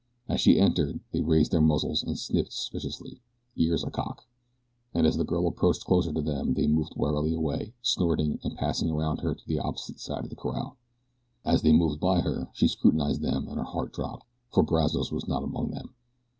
As she entered they raised their muzzles and sniffed suspiciously, ears a cock, and as the girl approached closer to them they moved warily away, snorting, and passed around her to the opposite side of the corral. As they moved by her she scrutinized them and her heart dropped, for Brazos was not among them.